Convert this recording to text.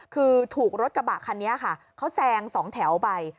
คือถูกรถกระบะคันนี้ค่ะเขาแซงสองแถวไป